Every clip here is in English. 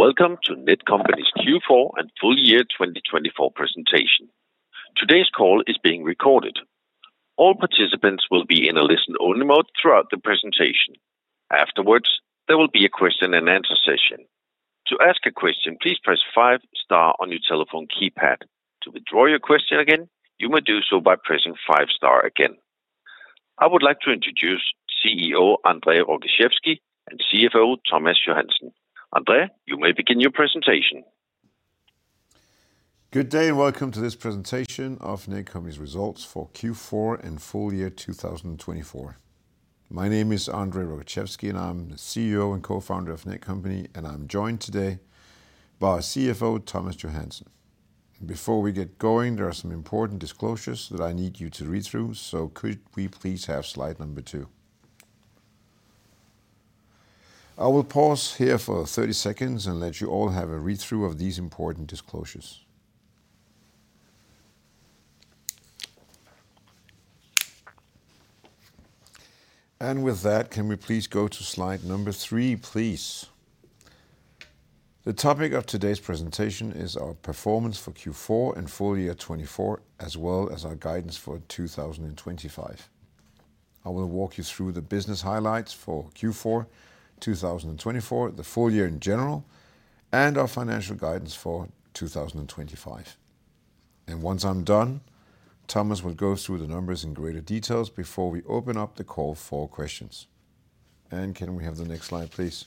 Welcome to Netcompany's Q4 and full year 2024 presentation. Today's call is being recorded. All participants will be in a listen-only mode throughout the presentation. Afterwards, there will be a question-and-answer session. To ask a question, please press five-star on your telephone keypad. To withdraw your question again, you may do so by pressing five-star again. I would like to introduce CEO André Rogaczewski and CFO Thomas Johansen. André, you may begin your presentation. Good day and welcome to this presentation of Netcompany's results for Q4 and full year 2024. My name is André Rogaczewski, and I'm the CEO and co-founder of Netcompany. I'm joined today by CFO Thomas Johansen. Before we get going, there are some important disclosures that I need you to read through, so could we please have slide number two? I will pause here for 30 seconds and let you all have a read-through of these important disclosures. And with that, can we please go to slide number three, please? The topic of today's presentation is our performance for Q4 and full year 2024, as well as our guidance for 2025. I will walk you through the business highlights for Q4, 2024, the full year in general, and our financial guidance for 2025. Once I'm done, Thomas will go through the numbers in greater details before we open up the call for questions. Can we have the next slide, please?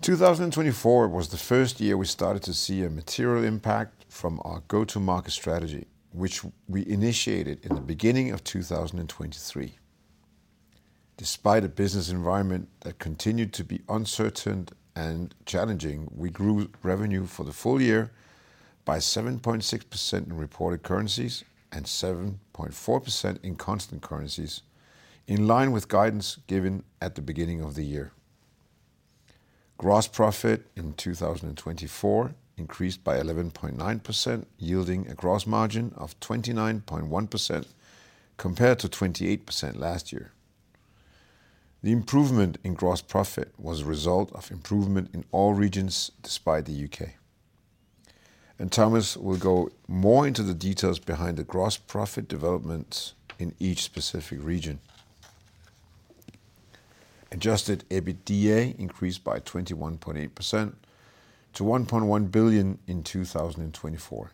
2024 was the first year we started to see a material impact from our go-to-market strategy, which we initiated in the beginning of 2023. Despite a business environment that continued to be uncertain and challenging, we grew revenue for the full year by 7.6% in reported currencies and 7.4% in constant currencies, in line with guidance given at the beginning of the year. Gross profit in 2024 increased by 11.9%, yielding a gross margin of 29.1% compared to 28% last year. The improvement in gross profit was a result of improvement in all regions despite the U.K. Thomas will go more into the details behind the gross profit developments in each specific region. Adjusted EBITDA increased by 21.8% to 1.1 billion in 2024,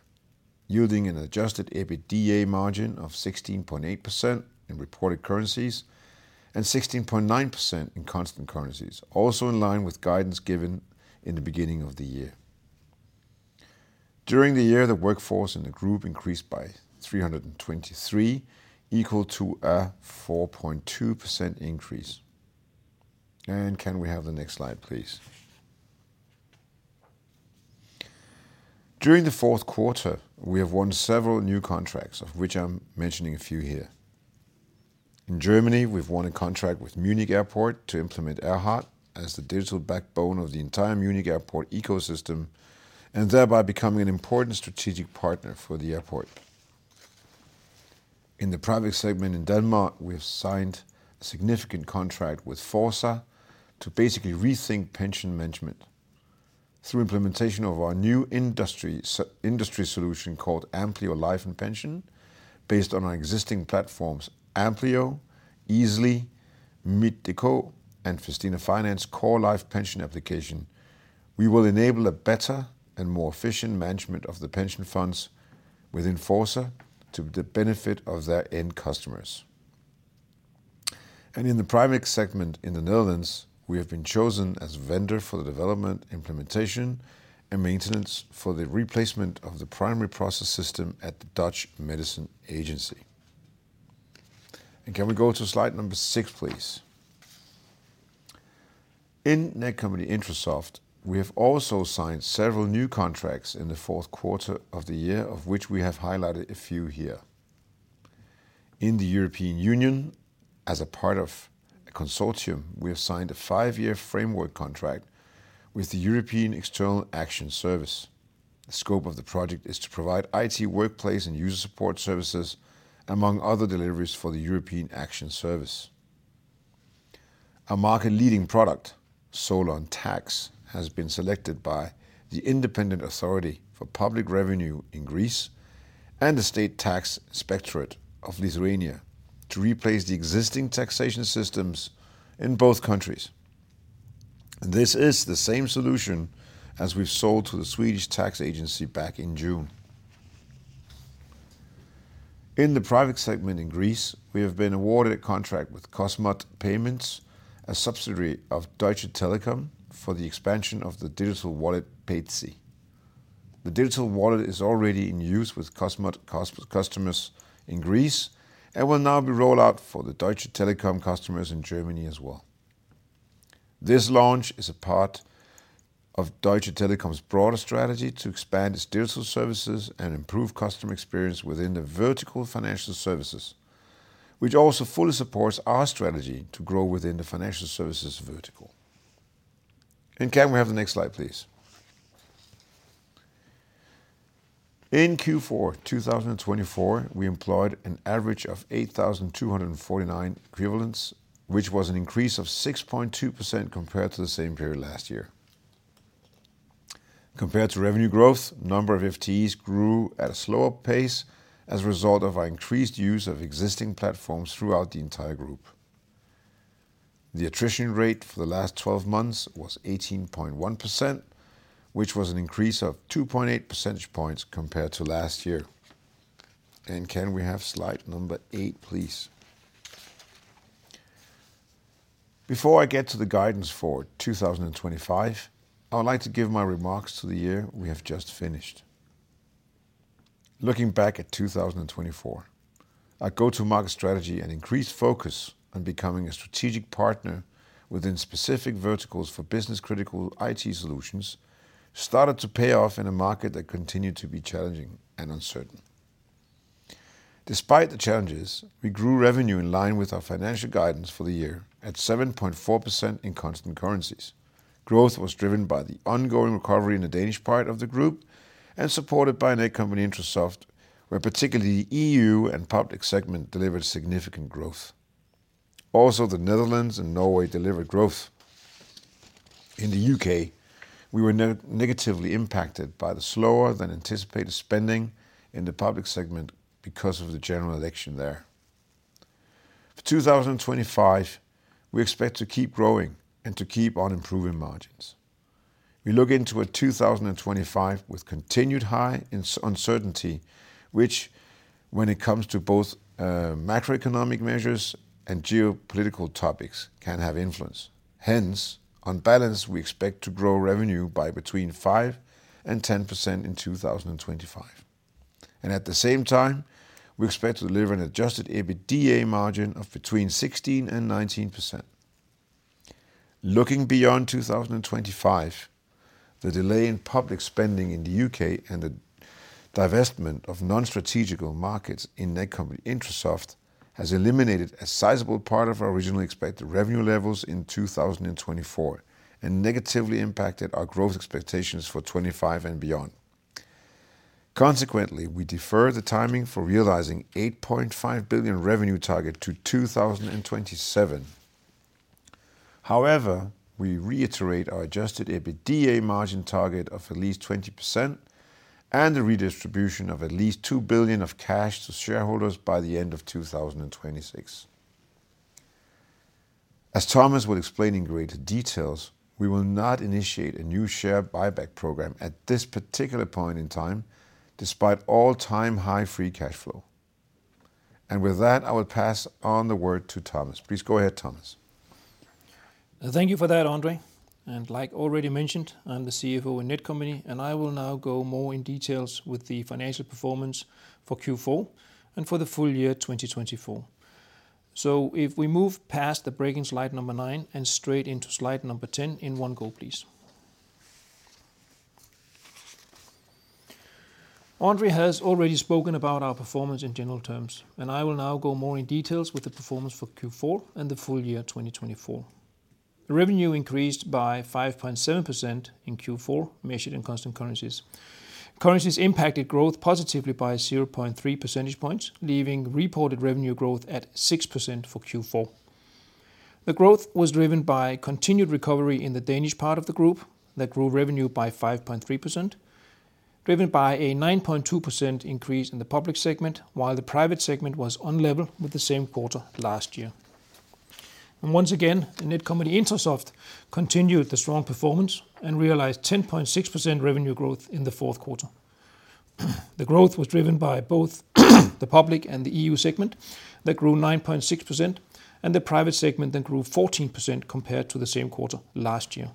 yielding an Adjusted EBITDA margin of 16.8% in reported currencies and 16.9% in constant currencies, also in line with guidance given in the beginning of the year. During the year, the workforce in the group increased by 323, equal to a 4.2% increase. And can we have the next slide, please? During the fourth quarter, we have won several new contracts, of which I'm mentioning a few here. In Germany, we've won a contract with Munich Airport to implement AIRHART as the digital backbone of the entire Munich Airport ecosystem, and thereby becoming an important strategic partner for the airport. In the private segment in Denmark, we've signed a significant contract with Forca to basically rethink pension management through implementation of our new industry solution called Amplio Life and Pension. Based on our existing platforms, Amplio, Easly, Mit Øko, and Festina Finance Core Life Pension application, we will enable a better and more efficient management of the pension funds within Forca to the benefit of their end customers. In the private segment in the Netherlands, we have been chosen as a vendor for the development, implementation, and maintenance for the replacement of the primary process system at the Dutch Medicines Agency. Can we go to slide number six, please? In Netcompany Intrasoft, we have also signed several new contracts in the fourth quarter of the year, of which we have highlighted a few here. In the European Union, as a part of a consortium, we have signed a five-year framework contract with the European External Action Service. The scope of the project is to provide IT workplace and user support services, among other deliveries for the European External Action Service. Our market-leading product, SOLON Tax, has been selected by the Independent Authority for Public Revenue in Greece and the State Tax Inspectorate of Lithuania to replace the existing taxation systems in both countries. This is the same solution as we've sold to the Swedish Tax Agency back in June. In the private segment in Greece, we have been awarded a contract with Cosmote Payments, a subsidiary of Deutsche Telekom, for the expansion of the digital wallet payzy. The digital wallet is already in use with Cosmote customers in Greece and will now be rolled out for the Deutsche Telekom customers in Germany as well. This launch is a part of Deutsche Telekom's broader strategy to expand its digital services and improve customer experience within the vertical financial services, which also fully supports our strategy to grow within the financial services vertical. And can we have the next slide, please? In Q4 2024, we employed an average of 8,249 equivalents, which was an increase of 6.2% compared to the same period last year. Compared to revenue growth, the number of FTEs grew at a slower pace as a result of our increased use of existing platforms throughout the entire group. The attrition rate for the last 12 months was 18.1%, which was an increase of 2.8 percentage points compared to last year. And can we have slide number eight, please? Before I get to the guidance for 2025, I would like to give my remarks to the year we have just finished. Looking back at 2024, our go-to-market strategy and increased focus on becoming a strategic partner within specific verticals for business-critical IT solutions started to pay off in a market that continued to be challenging and uncertain. Despite the challenges, we grew revenue in line with our financial guidance for the year at 7.4% in constant currencies. Growth was driven by the ongoing recovery in the Danish part of the group and supported by Netcompany Intrasoft, where particularly the EU and public segment delivered significant growth. Also, the Netherlands and Norway delivered growth. In the U.K., we were negatively impacted by the slower-than-anticipated spending in the public segment because of the general election there. For 2025, we expect to keep growing and to keep on improving margins. We look into a 2025 with continued high uncertainty, which, when it comes to both macroeconomic measures and geopolitical topics, can have influence. Hence, on balance, we expect to grow revenue by between 5 and 10% in 2025, and at the same time, we expect to deliver an Adjusted EBITDA margin of between 16 and 19%. Looking beyond 2025, the delay in public spending in the U.K. and the divestment of non-strategic markets in Netcompany Intrasoft has eliminated a sizable part of our originally expected revenue levels in 2024 and negatively impacted our growth expectations for 2025 and beyond. Consequently, we defer the timing for realizing the 8.5 billion revenue target to 2027. However, we reiterate our Adjusted EBITDA margin target of at least 20% and the redistribution of at least 2 billion of cash to shareholders by the end of 2026. As Thomas will explain in greater detail, we will not initiate a new share buyback program at this particular point in time, despite all-time high free cash flow. With that, I will pass on the word to Thomas. Please go ahead, Thomas. Thank you for that, André. And like already mentioned, I'm the CFO in Netcompany. And I will now go more in details with the financial performance for Q4 and for the full year 2024. So if we move past the break-in slide number nine and straight into slide number ten in one go, please. André has already spoken about our performance in general terms. And I will now go more in details with the performance for Q4 and the full year 2024. Revenue increased by 5.7% in Q4, measured in constant currencies. Currencies impacted growth positively by 0.3 percentage points, leaving reported revenue growth at 6% for Q4. The growth was driven by continued recovery in the Danish part of the group that grew revenue by 5.3%, driven by a 9.2% increase in the public segment, while the private segment was on level with the same quarter last year. Once again, Netcompany Intrasoft continued the strong performance and realized 10.6% revenue growth in the fourth quarter. The growth was driven by both the public and the EU segment that grew 9.6%, and the private segment that grew 14% compared to the same quarter last year.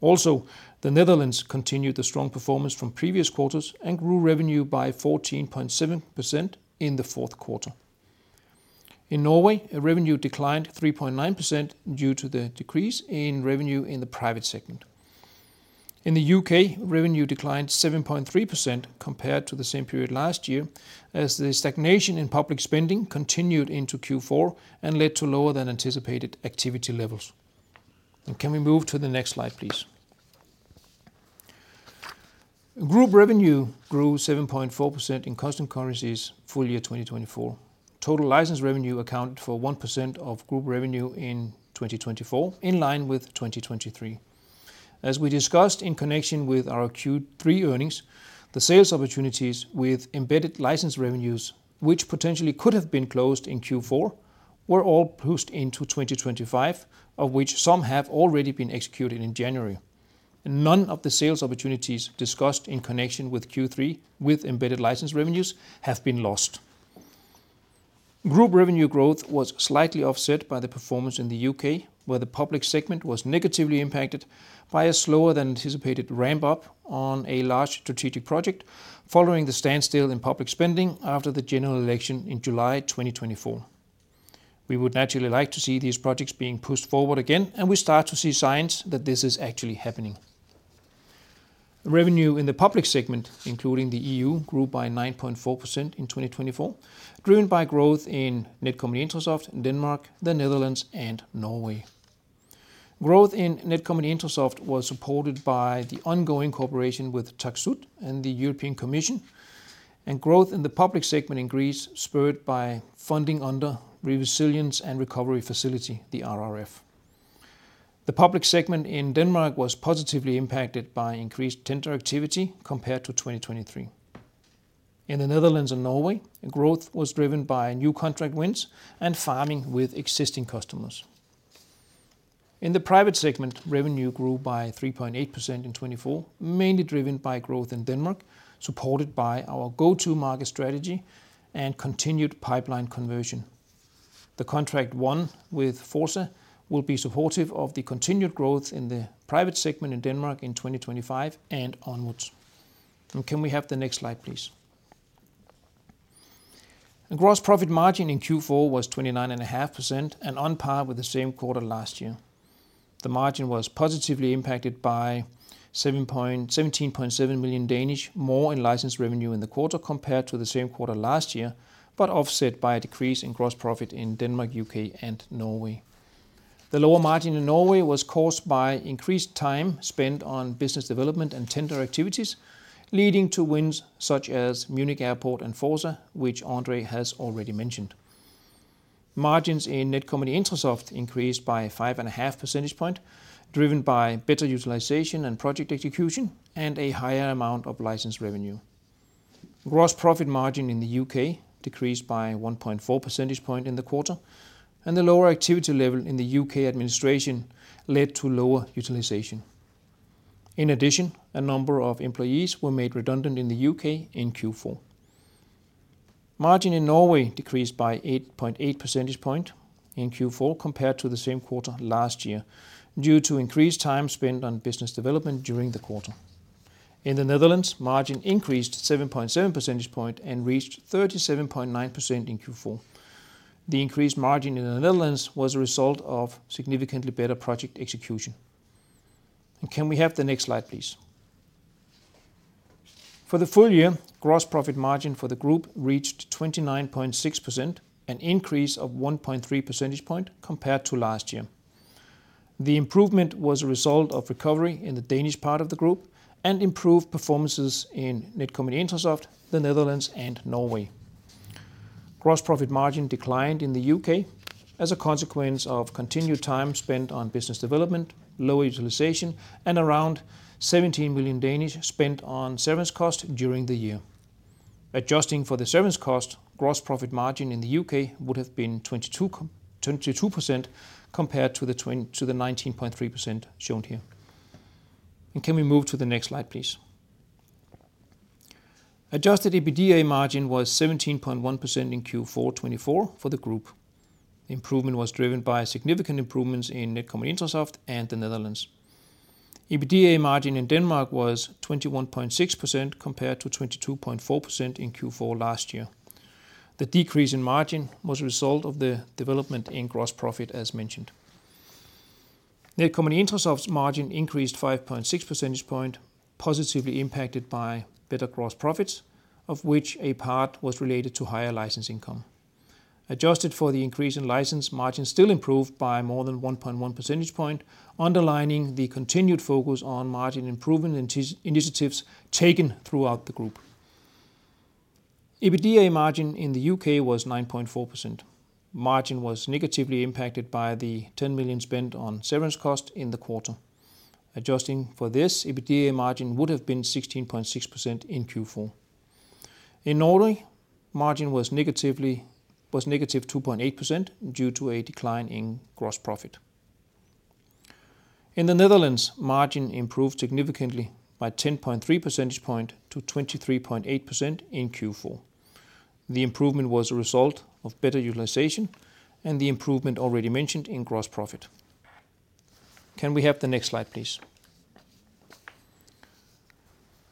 Also, the Netherlands continued the strong performance from previous quarters and grew revenue by 14.7% in the fourth quarter. In Norway, revenue declined 3.9% due to the decrease in revenue in the private segment. In the U.K., revenue declined 7.3% compared to the same period last year, as the stagnation in public spending continued into Q4 and led to lower-than-anticipated activity levels. Can we move to the next slide, please? Group revenue grew 7.4% in constant currencies full year 2024. Total license revenue accounted for 1% of group revenue in 2024, in line with 2023. As we discussed in connection with our Q3 earnings, the sales opportunities with embedded license revenues, which potentially could have been closed in Q4, were all pushed into 2025, of which some have already been executed in January. None of the sales opportunities discussed in connection with Q3 with embedded license revenues have been lost. Group revenue growth was slightly offset by the performance in the U.K., where the public segment was negatively impacted by a slower-than-anticipated ramp-up on a large strategic project following the standstill in public spending after the general election in July 2024. We would naturally like to see these projects being pushed forward again, and we start to see signs that this is actually happening. Revenue in the public segment, including the EU, grew by 9.4% in 2024, driven by growth in Netcompany Intrasoft in Denmark, the Netherlands, and Norway. Growth in Netcompany Intrasoft was supported by the ongoing cooperation with TAXUD and the European Commission, and growth in the public segment in Greece spurred by funding under Resilience and Recovery Facility, the RRF. The public segment in Denmark was positively impacted by increased tender activity compared to 2023. In the Netherlands and Norway, growth was driven by new contract wins and farming with existing customers. In the private segment, revenue grew by 3.8% in 2024, mainly driven by growth in Denmark, supported by our go-to-market strategy and continued pipeline conversion. The contract won with Forca will be supportive of the continued growth in the private segment in Denmark in 2025 and onwards. And can we have the next slide, please? Gross profit margin in Q4 was 29.5% and on par with the same quarter last year. The margin was positively impacted by 17.7 million DKK more in license revenue in the quarter compared to the same quarter last year, but offset by a decrease in gross profit in Denmark, U.K., and Norway. The lower margin in Norway was caused by increased time spent on business development and tender activities, leading to wins such as Munich Airport and Forca, which André has already mentioned. Margins in Netcompany Intrasoft increased by 5.5 percentage points, driven by better utilization and project execution, and a higher amount of license revenue. Gross profit margin in the U.K. decreased by 1.4 percentage points in the quarter, and the lower activity level in the U.K. administration led to lower utilization. In addition, a number of employees were made redundant in the U.K. in Q4. Margin in Norway decreased by 8.8 percenpercentage points in Q4 compared to the same quarter last year, due to increased time spent on business development during the quarter. In the Netherlands, margin increased 7.7 percentpercentage points and reached 37.9% in Q4. The increased margin in the Netherlands was a result of significantly better project execution. And can we have the next slide, please? For the full year, gross profit margin for the group reached 29.6%, an increase of 1.3 percentage points compared to last year. The improvement was a result of recovery in the Danish part of the group and improved performances in Netcompany Intrasoft, the Netherlands, and Norway. Gross profit margin declined in the UK as a consequence of continued time spent on business development, lower utilization, and around 17 million spent on service costs during the year. Adjusting for the service cost, gross profit margin in the U.K. would have been 22% compared to the 19.3% shown here. Can we move to the next slide, please? Adjusted EBITDA margin was 17.1% in Q4 2024 for the group. Improvement was driven by significant improvements in Netcompany Intrasoft and the Netherlands. EBITDA margin in Denmark was 21.6% compared to 22.4% in Q4 last year. The decrease in margin was a result of the development in gross profit, as mentioned. Netcompany Intrasoft's margin increased 5.6 percentage points, positively impacted by better gross profits, of which a part was related to higher license income. Adjusted for the increase in license, margin still improved by more than 1.1 percentage points, underlining the continued focus on margin improvement initiatives taken throughout the group. EBITDA margin in the U.K. was 9.4%. Margin was negatively impacted by the 10 million spent on service costs in the quarter. Adjusting for this, EBITDA margin would have been 16.6% in Q4. In Norway, margin was negative 2.8% due to a decline in gross profit. In the Netherlands, margin improved significantly by 10.3 percentage points to 23.8% in Q4. The improvement was a result of better utilization and the improvement already mentioned in gross profit. Can we have the next slide, please?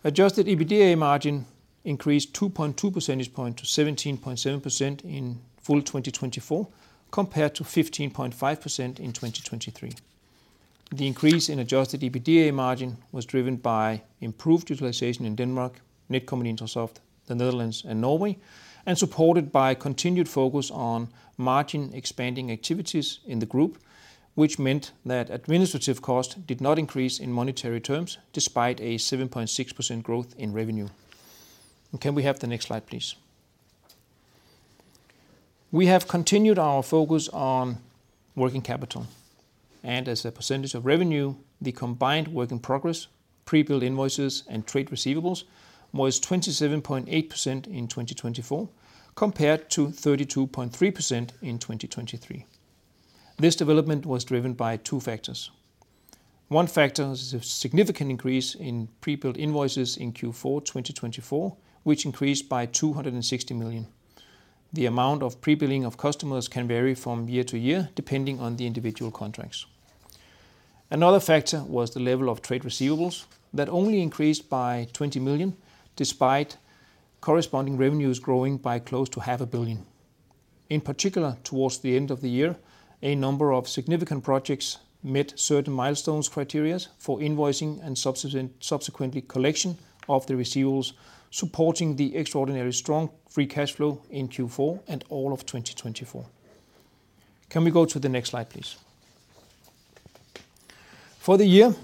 Adjusted EBITDA margin increased 2.2 percentage points to 17.7% in full 2024 compared to 15.5% in 2023. The increase in Adjusted EBITDA margin was driven by improved utilization in Denmark, Netcompany Intrasoft, the Netherlands, and Norway, and supported by continued focus on margin-expanding activities in the group, which meant that administrative costs did not increase in monetary terms despite a 7.6% growth in revenue. Can we have the next slide, please? We have continued our focus on working capital, and as a percentage of revenue, the combined work in progress, pre-billed invoices, and trade receivables was 27.8% in 2024 compared to 32.3% in 2023. This development was driven by two factors. One factor is a significant increase in pre-billed invoices in Q4 2024, which increased by 260 million. The amount of pre-billing of customers can vary from year to year depending on the individual contracts. Another factor was the level of trade receivables that only increased by 20 million despite corresponding revenues growing by close to 500 million. In particular, towards the end of the year, a number of significant projects met certain milestone criteria for invoicing and subsequently collection of the receivables, supporting the extraordinarily strong free cash flow in Q4 and all of 2024. Can we go to the next slide, please? For the year,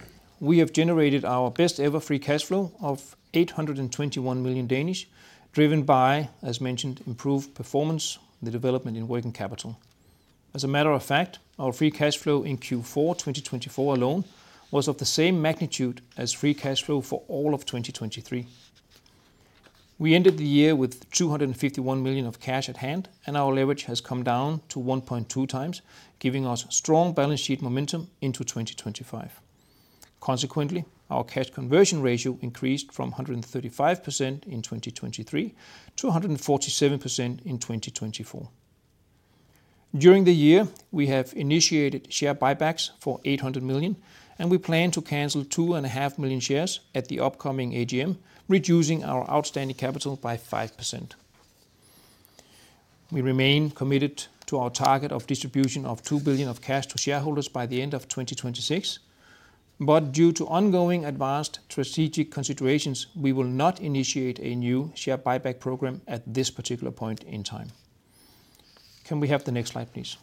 we have generated our best-ever free cash flow of 821 million, driven by, as mentioned, improved performance, the development in working capital. As a matter of fact, our free cash flow in Q4 2024 alone was of the same magnitude as free cash flow for all of 2023. We ended the year with 251 million of cash at hand, and our leverage has come down to 1.2 times, giving us strong balance sheet momentum into 2025. Consequently, our cash conversion ratio increased from 135% in 2023 to 147% in 2024. During the year, we have initiated share buybacks for 800 million, and we plan to cancel 2.5 million shares at the upcoming AGM, reducing our outstanding capital by 5%. We remain committed to our target of distribution of 2 billion of cash to shareholders by the end of 2026, but due to ongoing advanced strategic considerations, we will not initiate a new share buyback program at this particular point in time. Can we have the next slide, please?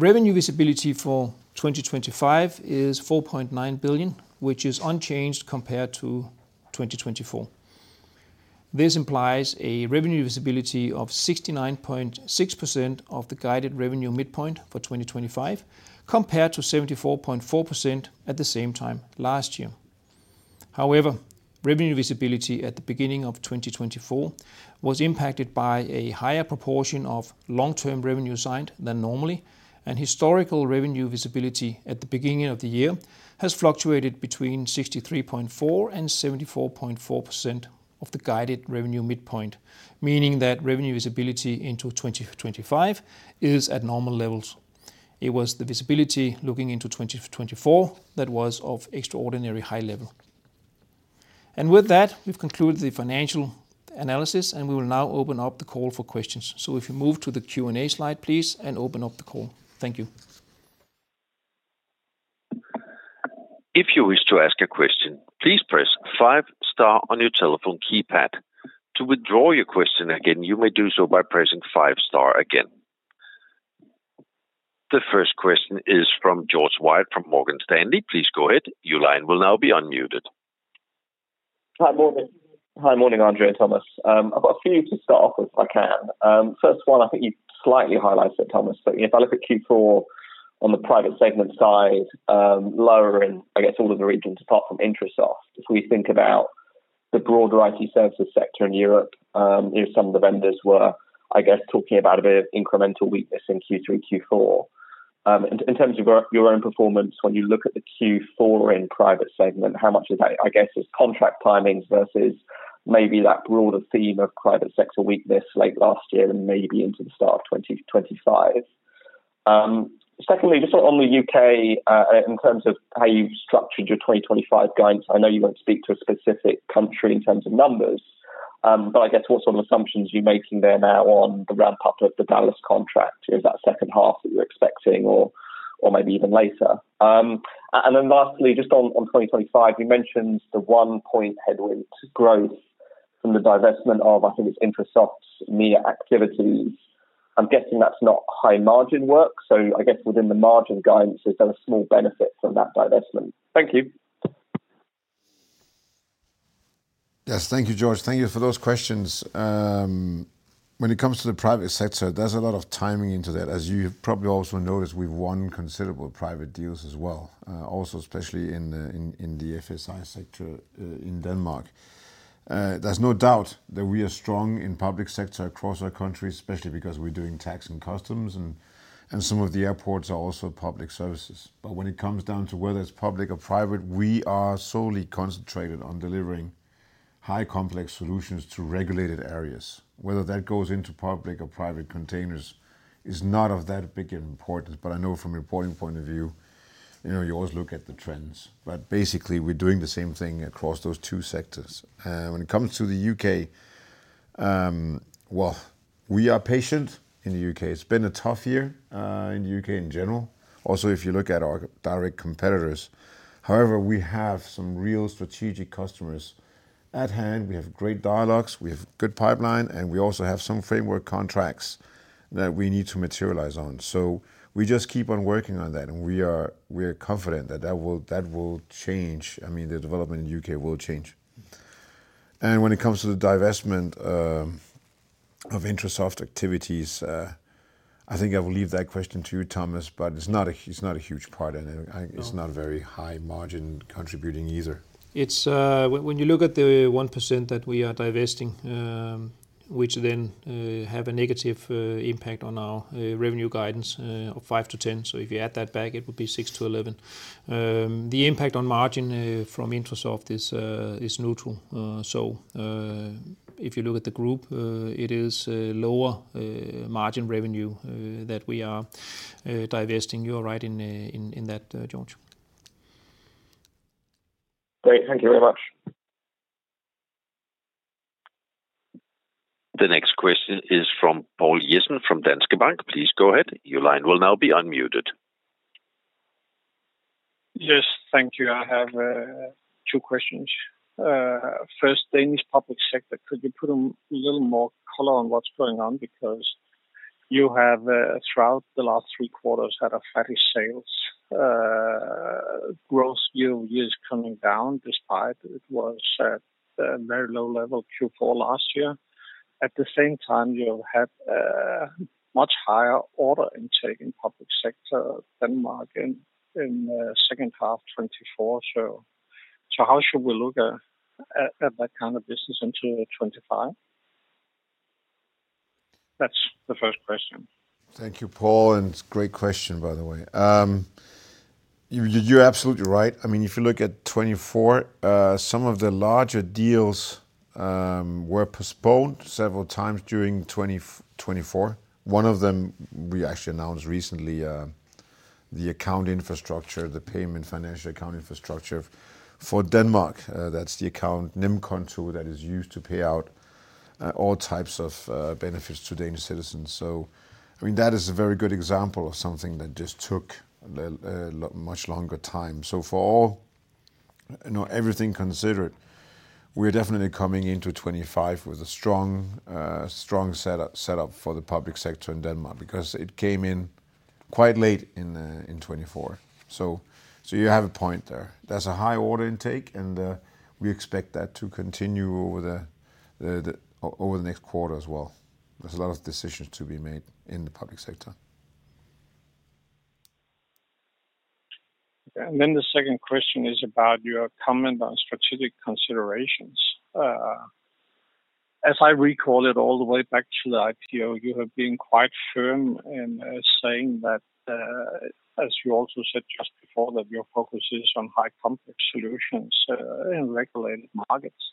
Revenue visibility for 2025 is 4.9 billion, which is unchanged compared to 2024. This implies a revenue visibility of 69.6% of the guided revenue midpoint for 2025 compared to 74.4% at the same time last year. However, revenue visibility at the beginning of 2024 was impacted by a higher proportion of long-term revenue signed than normally, and historical revenue visibility at the beginning of the year has fluctuated between 63.4% and 74.4% of the guided revenue midpoint, meaning that revenue visibility into 2025 is at normal levels. It was the visibility looking into 2024 that was of extraordinary high level. With that, we've concluded the financial analysis, and we will now open up the call for questions. If you move to the Q&A slide, please, and open up the call. Thank you. If you wish to ask a question, please press 5-star on your telephone keypad. To withdraw your question again, you may do so by pressing 5-star again. The first question is from George Wyatt from Morgan Stanley. Please go ahead. Your line will now be unmuted. Hi, André, Thomas. I've got a few to start off with if I can. First one, I think you've slightly highlighted it, Thomas, but if I look at Q4 on the private segment side, lower in, I guess, all of the regions apart from Intrasoft, if we think about the broader IT services sector in Europe, some of the vendors were, I guess, talking about a bit of incremental weakness in Q3, Q4. In terms of your own performance, when you look at the Q4 in private segment, how much is that, I guess, is contract timings versus maybe that broader theme of private sector weakness late last year and maybe into the start of 2025? Secondly, just on the U.K., in terms of how you structured your 2025 guidance, I know you won't speak to a specific country in terms of numbers, but I guess what sort of assumptions are you making there now on the ramp-up of the DALAS contract? Is that second half that you're expecting or maybe even later? And then lastly, just on 2025, you mentioned the one-point headwind growth from the divestment of, I think it's Intrasoft MEA activities. I'm guessing that's not high-margin work, so I guess within the margin guidance, is there a small benefit from that divestment? Thank you. Yes, thank you, George. Thank you for those questions. When it comes to the private sector, there's a lot of timing into that. As you probably also noticed, we've won considerable private deals as well, also especially in the FSI sector in Denmark. There's no doubt that we are strong in public sector across our country, especially because we're doing tax and customs, and some of the airports are also public services. But when it comes down to whether it's public or private, we are solely concentrated on delivering high-complex solutions to regulated areas. Whether that goes into public or private containers is not of that big importance, but I know from a reporting point of view, you always look at the trends. But basically, we're doing the same thing across those two sectors. When it comes to the U.K., well, we are patient in the U.K. It's been a tough year in the U.K. in general, also if you look at our direct competitors. However, we have some real strategic customers at hand. We have great dialogues. We have a good pipeline, and we also have some framework contracts that we need to materialize on. So we just keep on working on that, and we are confident that that will change. I mean, the development in the U.K. will change. And when it comes to the divestment of Intrasoft activities, I think I will leave that question to you, Thomas, but it's not a huge part, and it's not very high-margin contributing either. When you look at the 1% that we are divesting, which then have a negative impact on our revenue guidance of 5%-10%, so if you add that back, it would be 6%-11%. The impact on margin from Intrasoft is neutral. So if you look at the group, it is lower margin revenue that we are divesting. You're right in that, George. Great. Thank you very much. The next question is from Poul Jessen from Danske Bank. Please go ahead. Your line will now be unmuted. Yes, thank you. I have two questions. First, Danish public sector, could you put a little more color on what's going on? Because you have, throughout the last three quarters, had flat sales. Gross margin year-over-year is coming down despite it was at a very low level Q4 last year. At the same time, you have had a much higher order intake in public sector than margin in the second half of 2024. So how should we look at that kind of business into 2025? That's the first question. Thank you, Poul, and great question, by the way. You're absolutely right. I mean, if you look at 2024, some of the larger deals were postponed several times during 2024. One of them we actually announced recently, the account infrastructure, the payment financial account infrastructure for Denmark. That's the account, NemKonto, that is used to pay out all types of benefits to Danish citizens. So, I mean, that is a very good example of something that just took a much longer time. So for all, everything considered, we are definitely coming into 2025 with a strong setup for the public sector in Denmark because it came in quite late in 2024. So you have a point there. There's a high order intake, and we expect that to continue over the next quarter as well. There's a lot of decisions to be made in the public sector. And then the second question is about your comment on strategic considerations. As I recall it all the way back to the IPO, you have been quite firm in saying that, as you also said just before, that your focus is on high-complex solutions in regulated markets.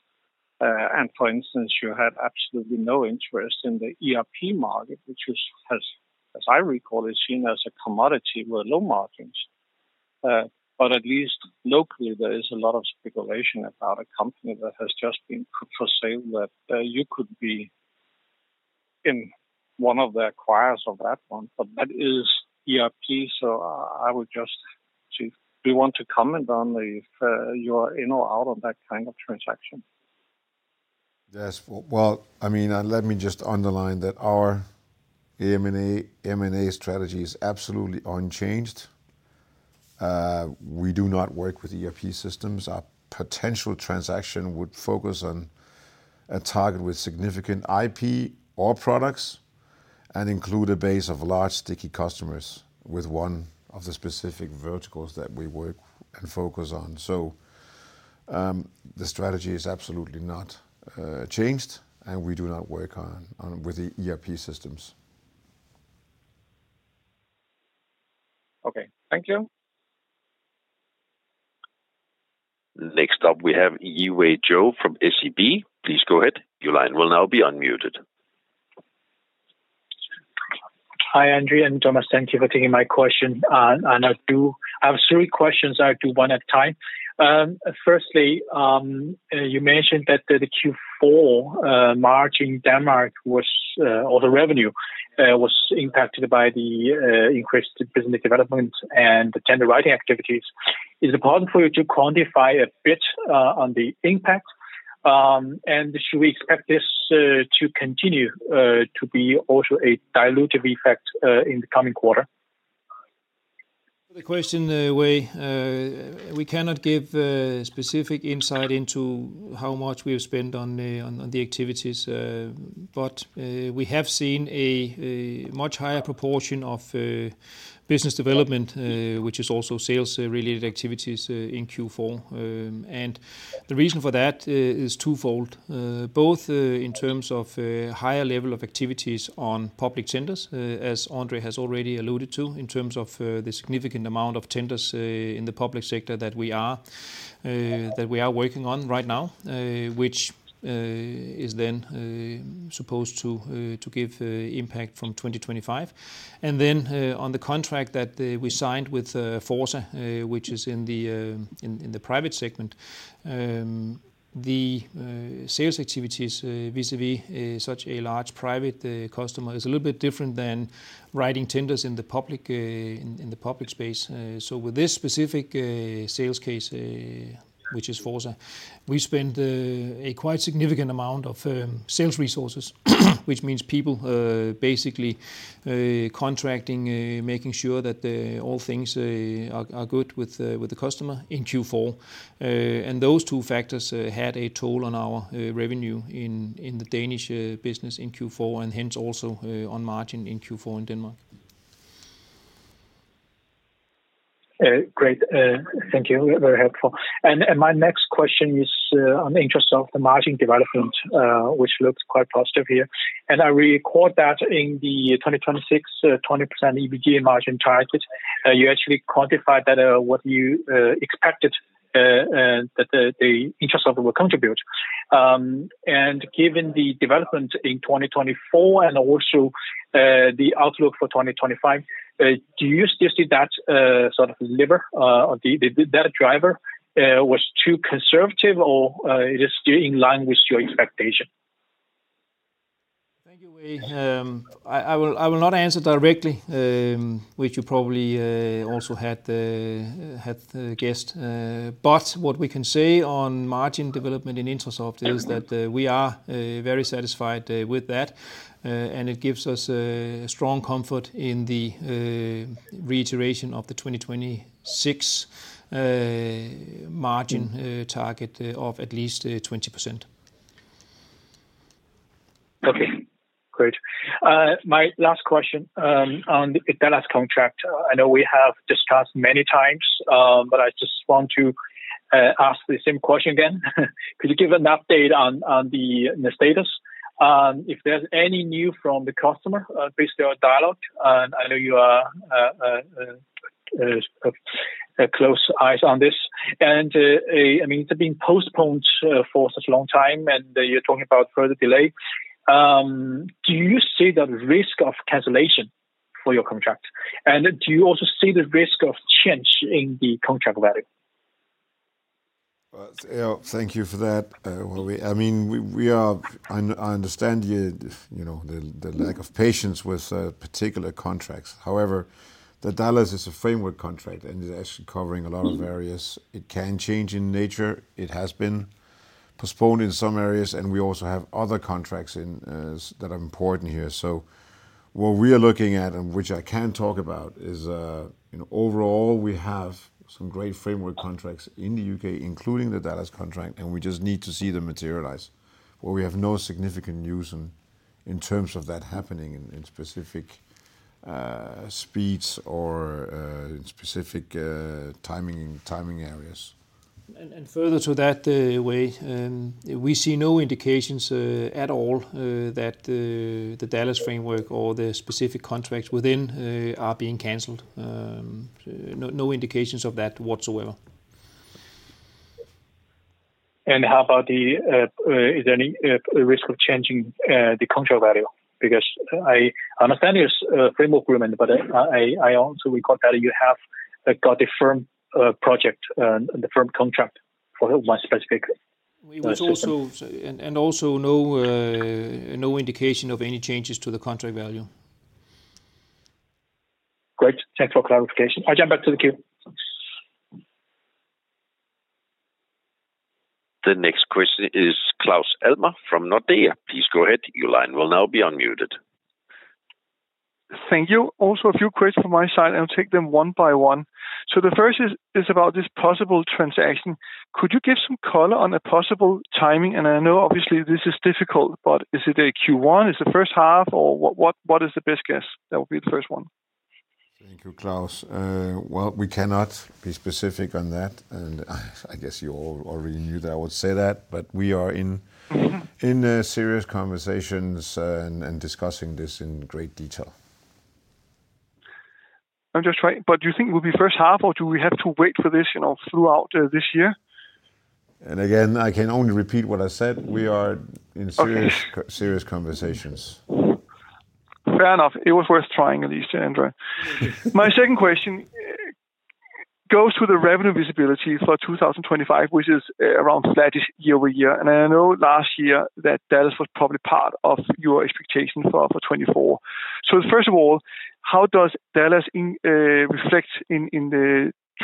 And for instance, you had absolutely no interest in the ERP market, which is, as I recall, seen as a commodity with low margins. But at least locally, there is a lot of speculation about a company that has just been put up for sale that you could be one of the acquirers of that one. But that is ERP, so I would just ask you if you want to comment on if you are in or out on that kind of transaction. Yes. Well, I mean, let me just underline that our M&A strategy is absolutely unchanged. We do not work with ERP systems. Our potential transaction would focus on a target with significant IP or products and include a base of large sticky customers with one of the specific verticals that we work and focus on. So the strategy is absolutely not changed, and we do not work with the ERP systems. Okay. Thank you. Next up, we have Yiwei Zhou from SEB. Please go ahead. Your line will now be unmuted. Hi, André and Thomas. Thank you for taking my question. I have three questions. I'll do one at a time. First, you mentioned that the Q4 margin in Denmark was, or the revenue was impacted by the increased business development and the tender writing activities. Is it possible for you to quantify a bit on the impact? And should we expect this to continue to be also a dilutive effect in the coming quarter? The question, we cannot give specific insight into how much we have spent on the activities, but we have seen a much higher proportion of business development, which is also sales-related activities in Q4. The reason for that is twofold, both in terms of higher level of activities on public tenders, as André has already alluded to, in terms of the significant amount of tenders in the public sector that we are working on right now, which is then supposed to give impact from 2025. And then on the contract that we signed with Forca, which is in the private segment, the sales activities vis-à-vis such a large private customer is a little bit different than writing tenders in the public space. So with this specific sales case, which is Forca, we spent a quite significant amount of sales resources, which means people basically contracting, making sure that all things are good with the customer in Q4. And those two factors had a toll on our revenue in the Danish business in Q4, and hence also on margin in Q4 in Denmark. Great. Thank you. Very helpful, and my next question is on the interest in the margin development, which looks quite positive here. I recall that in the 2026 20% EBITDA margin target, you actually quantified what you expected that the interest in it will contribute, and given the development in 2024 and also the outlook for 2025, do you still see that sort of lever, that driver, was too conservative or is it still in line with your expectation? Thank you, Yiwei. I will not answer directly, which you probably also had guessed, but what we can say on margin development in Intrasoft is that we are very satisfied with that, and it gives us a strong comfort in the reiteration of the 2026 margin target of at least 20%. Okay. Great. My last question on the DALAS contract, I know we have discussed many times, but I just want to ask the same question again. Could you give an update on the status? If there's any new from the customer, please do a dialogue. I know you have close eyes on this. And I mean, it's been postponed for such a long time, and you're talking about further delay. Do you see the risk of cancellation for your contract, and do you also see the risk of change in the contract value? Thank you for that. I mean, I understand the lack of patience with particular contracts. However, the DALAS is a framework contract, and it's actually covering a lot of areas. It can change in nature. It has been postponed in some areas, and we also have other contracts that are important here. So what we are looking at, and which I can talk about, is overall, we have some great framework contracts in the U.K., including the DALAS contract, and we just need to see them materialize. But we have no significant news in terms of that happening in specific speeds or in specific timing areas. And further to that, Yiwei, we see no indications at all that the DALAS framework or the specific contracts within are being canceled. No indications of that whatsoever. And how about, is there any risk of changing the contract value? Because I understand it's a framework agreement, but I also recall that you have got the firm project, the firm contract for one specific. We would also, and also no indication of any changes to the contract value. Great. Thanks for clarification. I'll jump back to the queue. The next question is Claus Almer from Nordea. Please go ahead. Your line will now be unmuted. Thank you. Also, a few questions from my side. I'll take them one by one. So the first is about this possible transaction. Could you give some color on a possible timing? And I know, obviously, this is difficult, but is it a Q1? Is it the first half? Or what is the best guess? That would be the first one. Thank you, Claus. Well, we cannot be specific on that. And I guess you all already knew that I would say that, but we are in serious conversations and discussing this in great detail. I'm just trying. But do you think it will be first half, or do we have to wait for this throughout this year? And again, I can only repeat what I said. We are in serious conversations. Fair enough. It was worth trying at least to enter. My second question goes to the revenue visibility for 2025, which is around flat year-over-year. And I know last year that DALAS was probably part of your expectation for 2024. So first of all, how does DALAS reflect in the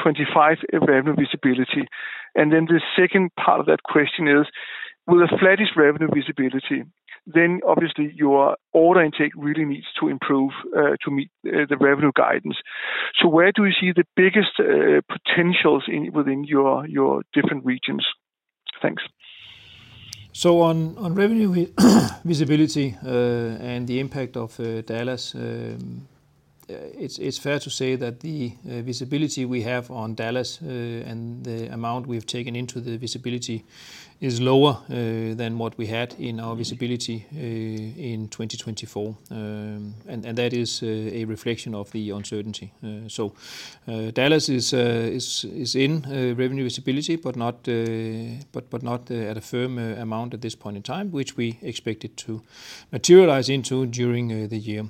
2025 revenue visibility? And then the second part of that question is, with a flat-ish revenue visibility, then obviously your order intake really needs to improve to meet the revenue guidance. So where do you see the biggest potentials within your different regions? Thanks. So on revenue visibility and the impact of DALAS, it's fair to say that the visibility we have on DALAS and the amount we've taken into the visibility is lower than what we had in our visibility in 2024. And that is a reflection of the uncertainty. DALAS is in revenue visibility, but not at a firm amount at this point in time, which we expect it to materialize into during the year.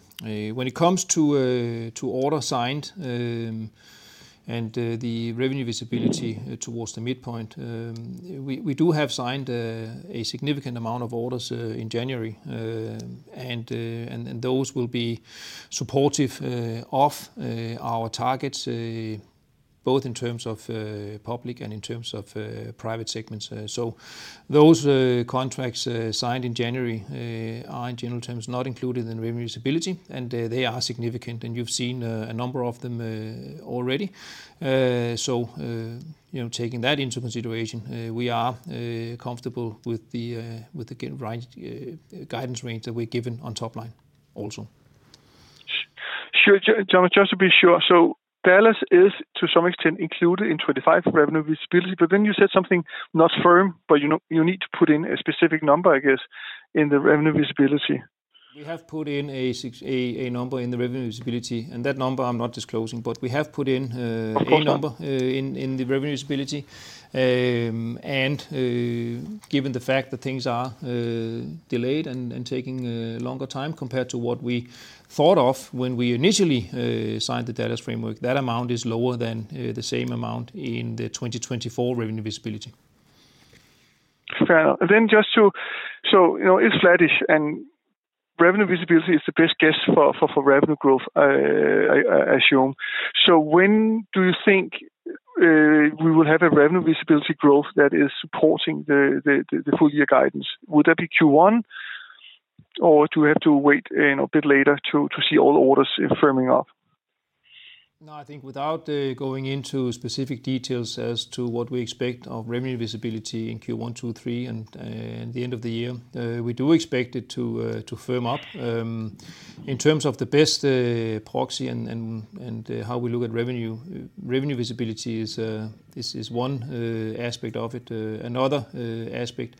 When it comes to orders signed and the revenue visibility towards the midpoint, we do have signed a significant amount of orders in January, and those will be supportive of our targets, both in terms of public and in terms of private segments. Those contracts signed in January are, in general terms, not included in revenue visibility, and they are significant, and you've seen a number of them already. Taking that into consideration, we are comfortable with the guidance range that we're given on top line also. Sure, Thomas, just to be sure. DALAS is, to some extent, included in 2025 revenue visibility, but then you said something not firm, but you need to put in a specific number, I guess, in the revenue visibility. We have put in a number in the revenue visibility, and that number I'm not disclosing, but we have put in a number in the revenue visibility. And given the fact that things are delayed and taking longer time compared to what we thought of when we initially signed the DALAS framework, that amount is lower than the same amount in the 2024 revenue visibility. Fair. Then just to, so it's flat-ish, and revenue visibility is the best guess for revenue growth, I assume. So when do you think we will have a revenue visibility growth that is supporting the full-year guidance? Would that be Q1, or do you have to wait a bit later to see all orders firming up? No, I think without going into specific details as to what we expect of revenue visibility in Q1, Q2, Q3, and the end of the year, we do expect it to firm up. In terms of the best proxy and how we look at revenue, revenue visibility is one aspect of it. Another aspect,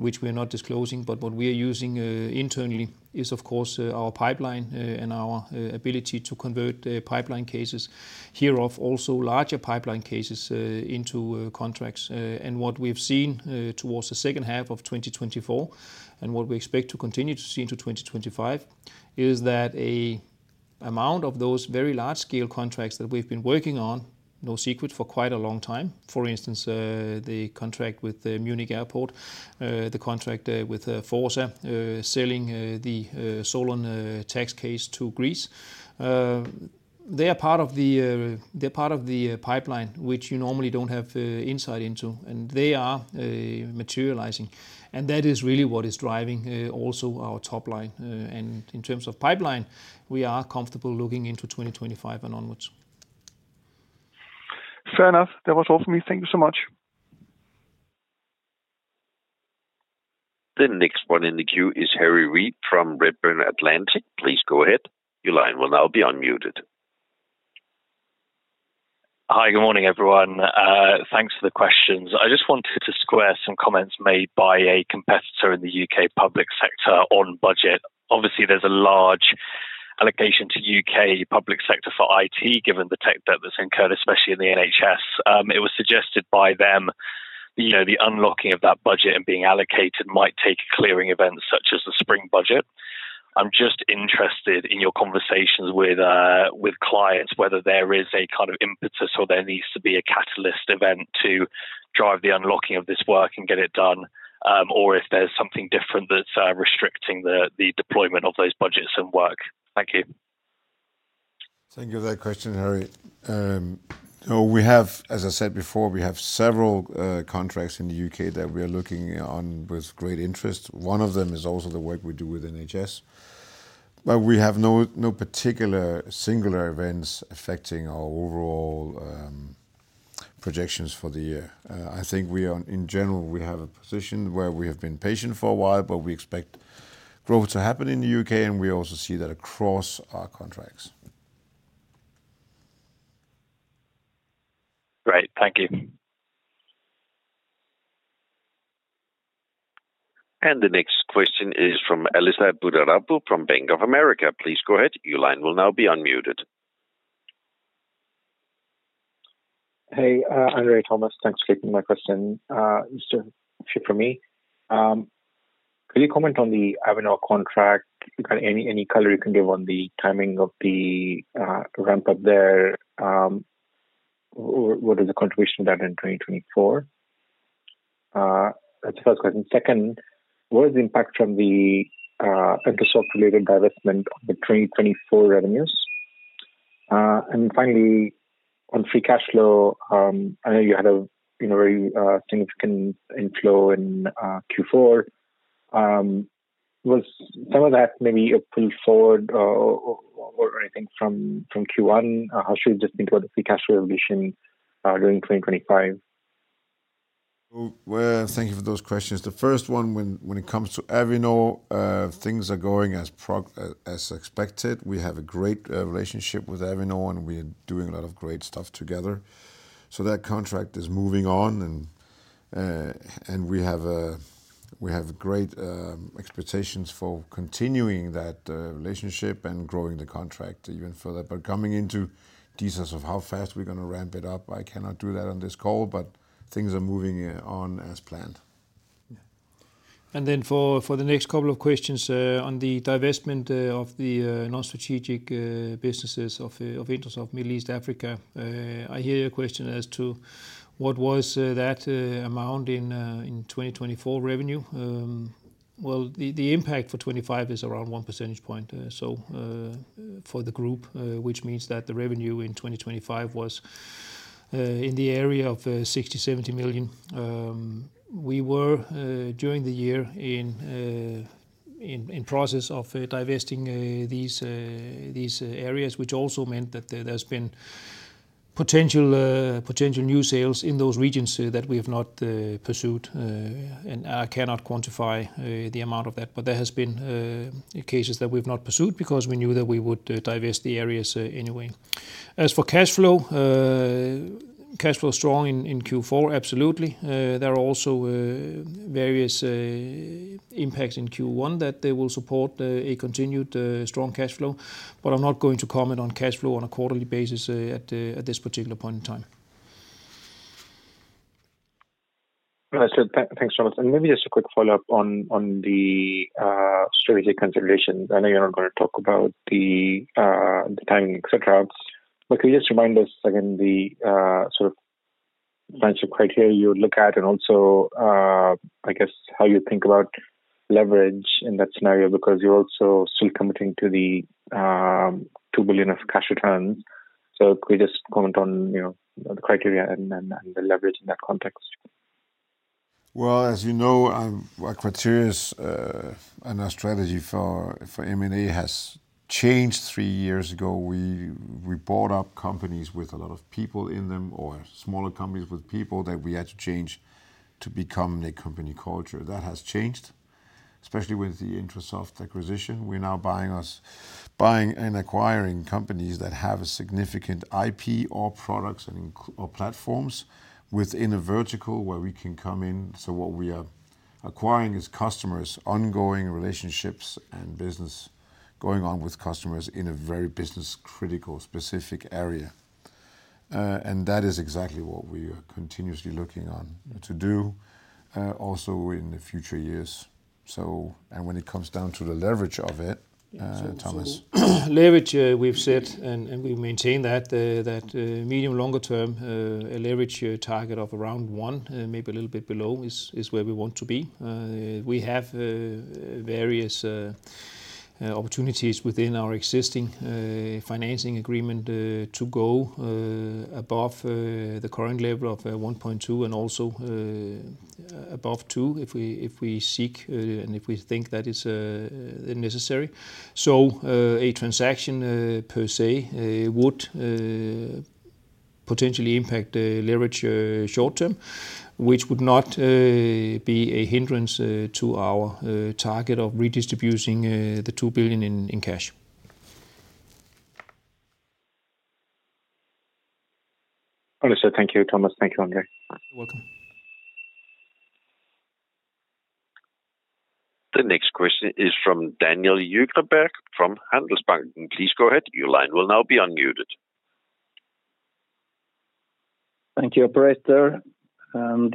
which we are not disclosing, but what we are using internally is, of course, our pipeline and our ability to convert pipeline cases, hereof also larger pipeline cases into contracts. What we've seen towards the second half of 2024, and what we expect to continue to see into 2025, is that an amount of those very large-scale contracts that we've been working on, no secret, for quite a long time, for instance, the contract with Munich Airport, the contract with Forca selling the SOLON Tax case to Greece, they are part of the pipeline, which you normally don't have insight into, and they are materializing. That is really what is driving also our top line. In terms of pipeline, we are comfortable looking into 2025 and onwards. Fair enough. That was all for me. Thank you so much. The next one in the queue is Harry Read from Redburn Atlantic. Please go ahead. Your line will now be unmuted. Hi, good morning, everyone. Thanks for the questions. I just wanted to square some comments made by a competitor in the U.K. public sector on budget. Obviously, there's a large allocation to U.K. public sector for IT, given the tech debt that's incurred, especially in the NHS. It was suggested by them the unlocking of that budget and being allocated might take clearing events such as the spring budget. I'm just interested in your conversations with clients, whether there is a kind of impetus or there needs to be a catalyst event to drive the unlocking of this work and get it done, or if there's something different that's restricting the deployment of those budgets and work. Thank you. Thank you for that question, Harry. As I said before, we have several contracts in the U.K. that we are looking on with great interest. One of them is also the work we do with NHS. But we have no particular singular events affecting our overall projections for the year. I think, in general, we have a position where we have been patient for a while, but we expect growth to happen in the U.K., and we also see that across our contracts. Great. Thank you. And the next question is from Elisa Boudarabu from Bank of America. Please go ahead. Your line will now be unmuted. Hey, André, Thomas. Thanks for taking my question. Mr. Johansen, could you comment on the Avinor contract? Any color you can give on the timing of the ramp-up there? What is the contribution of that in 2024? That's the first question. Second, what is the impact from the Intrasoft-related divestment of the 2024 revenues? And finally, on free cash flow, I know you had a very significant inflow in Q4. Was some of that maybe a pull forward or anything from Q1? How should we just think about the free cash flow evolution during 2025? Thank you for those questions. The first one, when it comes to Avinor, things are going as expected. We have a great relationship with Avinor, and we are doing a lot of great stuff together. So that contract is moving on, and we have great expectations for continuing that relationship and growing the contract even further. But coming into details of how fast we're going to ramp it up, I cannot do that on this call, but things are moving on as planned. And then for the next couple of questions on the divestment of the non-strategic businesses of Intrasoft Middle East Africa, I hear your question as to what was that amount in 2024 revenue. The impact for 2025 is around one percentage point for the group, which means that the revenue in 2025 was in the area of 60-70 million. We were, during the year, in process of divesting these areas, which also meant that there's been potential new sales in those regions that we have not pursued. I cannot quantify the amount of that, but there have been cases that we've not pursued because we knew that we would divest the areas anyway. As for cash flow, cash flow is strong in Q4, absolutely. There are also various impacts in Q1 that will support a continued strong cash flow, but I'm not going to comment on cash flow on a quarterly basis at this particular point in time. Thanks, Thomas. Maybe just a quick follow-up on the strategic considerations. I know you're not going to talk about the timing, etc. But could you just remind us again the sort of financial criteria you would look at and also, I guess, how you think about leverage in that scenario? Because you're also still committing to the 2 billion of cash returns. So could you just comment on the criteria and the leverage in that context? As you know, our criteria and our strategy for M&A has changed three years ago. We bought up companies with a lot of people in them or smaller companies with people that we had to change to become a company culture. That has changed, especially with the Intrasoft acquisition. We're now buying and acquiring companies that have a significant IP or products or platforms within a vertical where we can come in. What we are acquiring is customers, ongoing relationships, and business going on with customers in a very business-critical, specific area. That is exactly what we are continuously looking on to do also in the future years. When it comes down to the leverage of it, Thomas. Leverage, we've said, and we've maintained that medium-longer-term leverage target of around 1, maybe a little bit below, is where we want to be. We have various opportunities within our existing financing agreement to go above the current level of 1.2 and also above 2 if we seek and if we think that is necessary. A transaction per se would potentially impact leverage short-term, which would not be a hindrance to our target of redistributing the 2 billion in cash. Understood. Thank you, Thomas. Thank you, André. You're welcome. The next question is from Daniel Djurberg from Handelsbanken. Please go ahead. Your line will now be unmuted. Thank you, Operator. And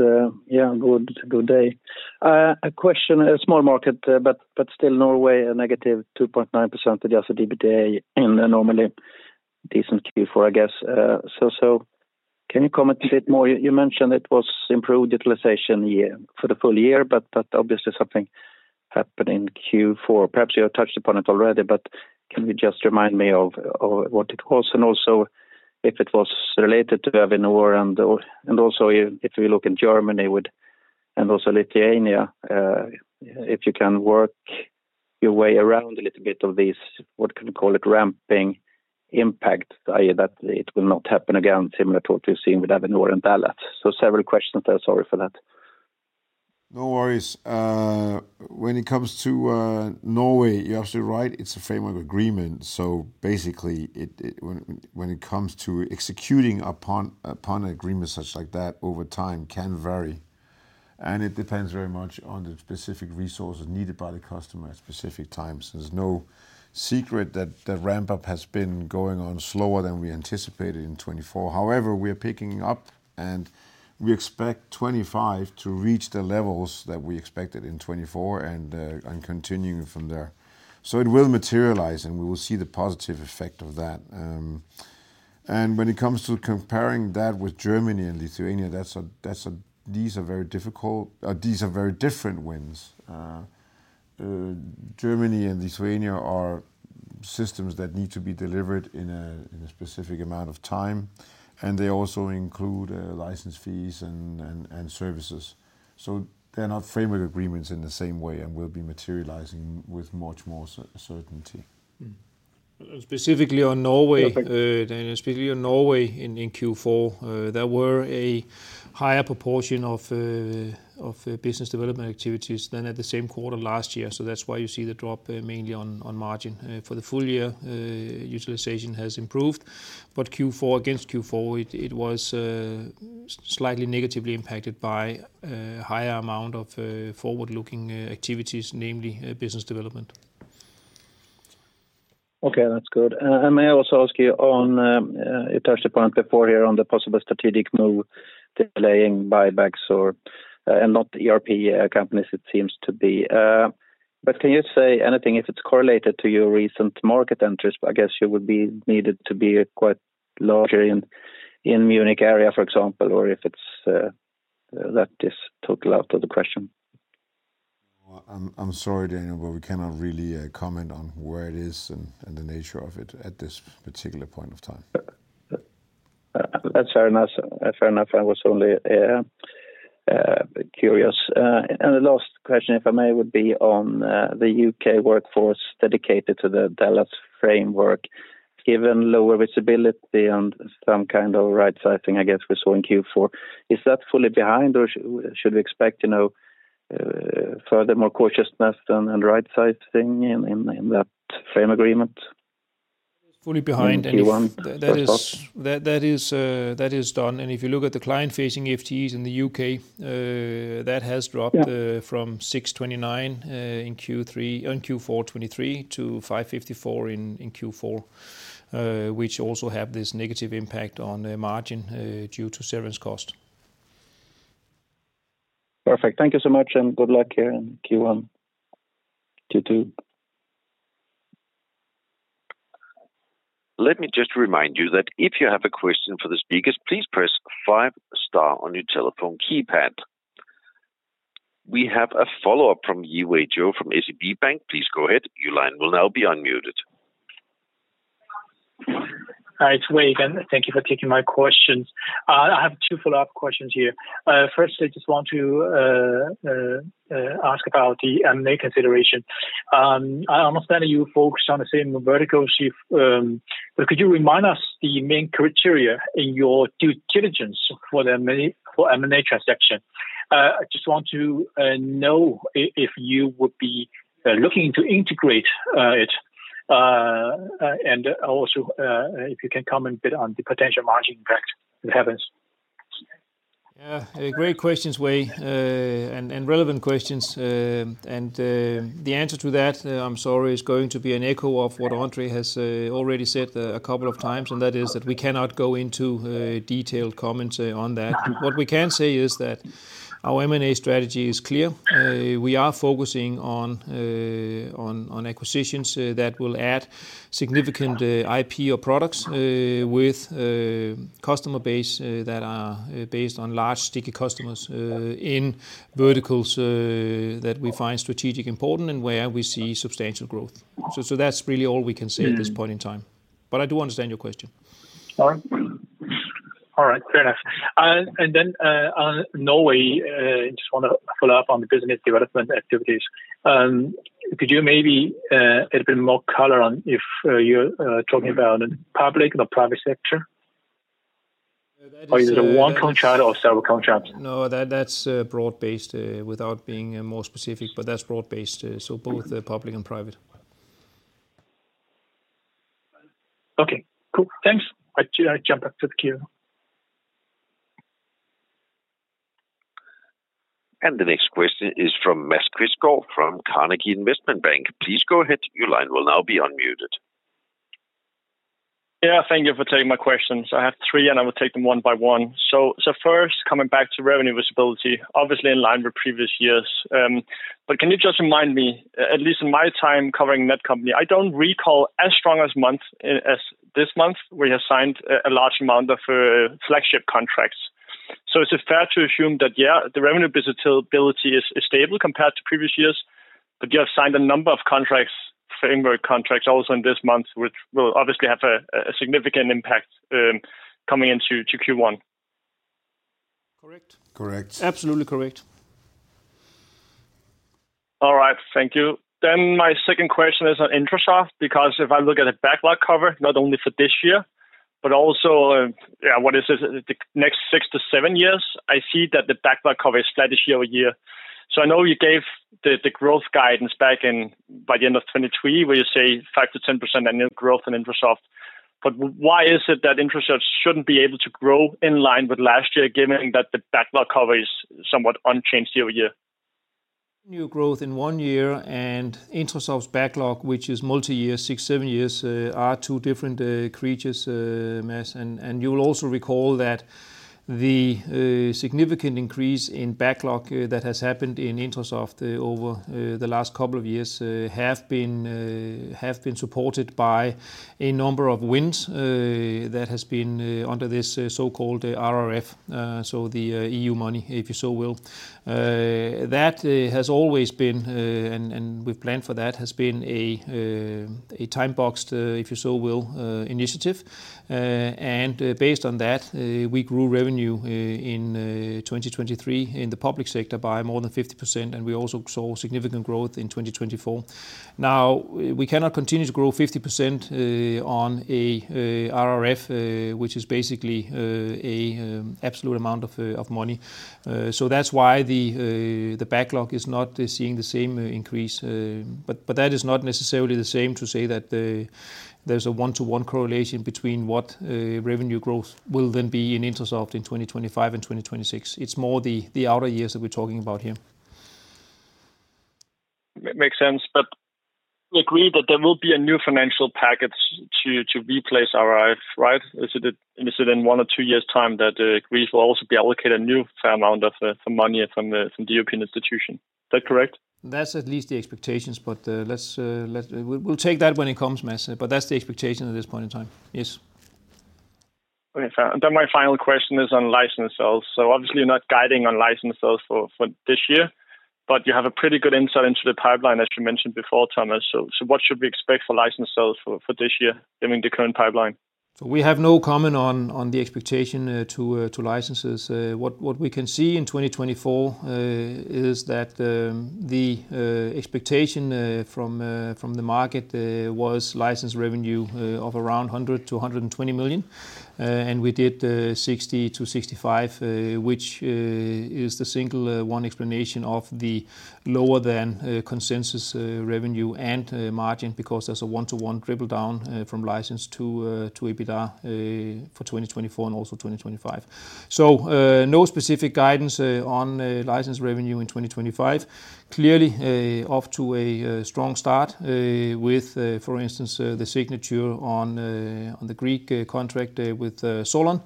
yeah, good day. A question, a small market, but still Norway, a negative 2.9% Adjusted EBITDA in normally decent Q4, I guess. So can you comment a bit more? You mentioned it was improved utilization for the full year, but obviously something happened in Q4. Perhaps you touched upon it already, but can you just remind me of what it was? And also if it was related to Avinor and also if we look in Germany and also Lithuania, if you can work your way around a little bit of these, what can you call it, ramping impact, i.e., that it will not happen again, similar to what we've seen with Avinor and DALAS? So several questions there. Sorry for that. No worries. When it comes to Norway, you're absolutely right. It's a framework agreement. So basically, when it comes to executing upon an agreement such like that over time can vary. And it depends very much on the specific resources needed by the customer at specific times. There's no secret that the ramp-up has been going on slower than we anticipated in 2024. However, we are picking up, and we expect 2025 to reach the levels that we expected in 2024 and continuing from there. So it will materialize, and we will see the positive effect of that. And when it comes to comparing that with Germany and Lithuania, these are very difficult, these are very different wins. Germany and Lithuania are systems that need to be delivered in a specific amount of time, and they also include license fees and services. So they're not framework agreements in the same way and will be materializing with much more certainty. Specifically on Norway, Daniel, specifically on Norway in Q4, there were a higher proportion of business development activities than at the same quarter last year. So that's why you see the drop mainly on margin. For the full year, utilization has improved. But against Q4, it was slightly negatively impacted by a higher amount of forward-looking activities, namely business development. Okay, that's good. And may I also ask you on you touched upon it before here on the possible strategic move delaying buybacks and not ERP companies, it seems to be. But can you say anything if it's correlated to your recent market entries? I guess you would be needed to be quite larger in Munich area, for example, or if that is totally out of the question. I'm sorry, Daniel, but we cannot really comment on where it is and the nature of it at this particular point of time. That's fair enough. I was only curious. And the last question, if I may, would be on the UK workforce dedicated to the DALAS framework, given lower visibility and some kind of right-sizing, I guess, we saw in Q4. Is that fully behind, or should we expect furthermore cautiousness and right-sizing in that framework agreement? Fully behind. That is done. And if you look at the client-facing FTEs in the UK, that has dropped from 629 in Q4 2023 to 554 in Q4, which also have this negative impact on margin due to severance cost. Perfect. Thank you so much, and good luck here in Q1. You too. Let me just remind you that if you have a question for the speakers, please press five-star on your telephone keypad. We have a follow-up from Yiwei Zhou from SEB. Please go ahead. Your line will now be unmuted. Hi, it's Yiwei again. Thank you for taking my questions. I have two follow-up questions here. First, I just want to ask about the M&A consideration. I understand that you focus on the same vertical. Could you remind us the main criteria in your due diligence for the M&A transaction? I just want to know if you would be looking to integrate it and also if you can comment a bit on the potential margin impact that happens. Yeah, great questions, Yiwei, and relevant questions. The answer to that, I'm sorry, is going to be an echo of what André has already said a couple of times, and that is that we cannot go into detailed comments on that. What we can say is that our M&A strategy is clear. We are focusing on acquisitions that will add significant IP or products with customer base that are based on large sticky customers in verticals that we find strategically important and where we see substantial growth. So that's really all we can say at this point in time. But I do understand your question. All right. Fair enough. And then on Norway, I just want to follow up on the business development activities. Could you maybe add a bit more color on if you're talking about public or private sector? Or is it a one-contract or several contracts? No, that's broad-based without being more specific, but that's broad-based. So both public and private. Okay. Cool. Thanks. I jumped off the queue. And the next question is from Erik Granström from Carnegie Investment Bank. Please go ahead. Your line will now be unmuted. Yeah, thank you for taking my questions. I have three, and I will take them one by one. So first, coming back to revenue visibility, obviously in line with previous years. But can you just remind me, at least in my time covering Netcompany? I don't recall as strong as this month where you have signed a large amount of flagship contracts. So is it fair to assume that, yeah, the revenue visibility is stable compared to previous years, but you have signed a number of contracts, framework contracts also in this month, which will obviously have a significant impact coming into Q1? Correct. Correct. Absolutely correct. All right. Thank you. Then my second question is on Intrasoft because if I look at the backlog cover, not only for this year, but also, yeah, what is it, the next six to seven years, I see that the backlog cover is flat this year-over-year. So I know you gave the growth guidance back by the end of 2023 where you say 5% to 10% annual growth in Intrasoft. But why is it that Intrasoft shouldn't be able to grow in line with last year given that the backlog cover is somewhat unchanged year-over-year? New growth in one year and Intrasoft's backlog, which is multi-year, six, seven years, are two different creature.. You will also recall that the significant increase in backlog that has happened in Intrasoft over the last couple of years have been supported by a number of wins that has been under this so-called RRF, so the EU money, if you so will. That has always been, and we've planned for that, has been a time-boxed, if you so will, initiative. Based on that, we grew revenue in 2023 in the public sector by more than 50%, and we also saw significant growth in 2024. Now, we cannot continue to grow 50% on a RRF, which is basically an absolute amount of money. That's why the backlog is not seeing the same increase. But that is not necessarily the same to say that there's a one-to-one correlation between what revenue growth will then be in Intrasoft in 2025 and 2026. It's more the outer years that we're talking about here. Makes sense. But you agree that there will be a new financial package to replace RRF, right? Is it in one or two years' time that Greece will also be allocated a new fair amount of money from the European institution? Is that correct? That's at least the expectations, but we'll take that when it comes, yes. But that's the expectation at this point in time. Yes. Okay. And then my final question is on license sales. So obviously, you're not guiding on license sales for this year, but you have a pretty good insight into the pipeline, as you mentioned before, Thomas. So what should we expect for license sales for this year during the current pipeline? So we have no comment on the expectation to licenses. What we can see in 2024 is that the expectation from the market was license revenue of around 100 million-120 million, and we did 60 million-65 million, which is the single one explanation of the lower-than-consensus revenue and margin because there's a one-to-one dribble down from license to EBITDA for 2024 and also 2025, so no specific guidance on license revenue in 2025. Clearly, off to a strong start with, for instance, the signature on the Greek contract with Solon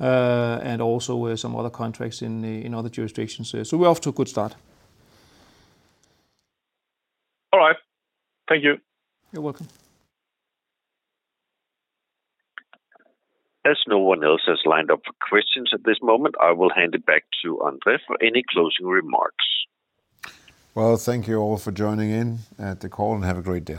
and also some other contracts in other jurisdictions, so we're off to a good start. All right. Thank you. You're welcome. As no one else has lined up for questions at this moment, I will hand it back to André for any closing remarks. Well, thank you all for joining in at the call and have a great day.